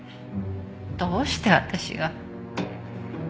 どうして私が？